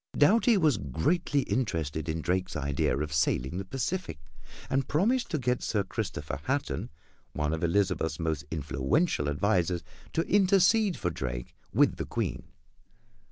Doughty was greatly interested in Drake's idea of sailing the Pacific, and promised to get Sir Christopher Hatton, one of Elizabeth's most influential advisors, to intercede for Drake with the Queen.